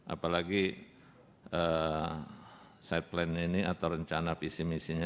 apalagi side plan ini atau rencana visi misinya